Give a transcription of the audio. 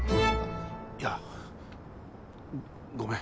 いやごめん。